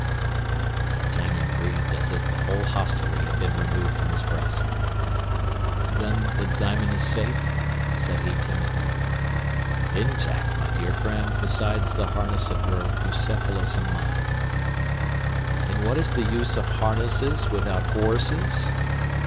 D'Artagnan breathed as if the whole hostelry had been removed from his breast. "Then the diamond is safe?" said he, timidly. "Intact, my dear friend; besides the harness of your Bucephalus and mine." "But what is the use of harnesses without horses?"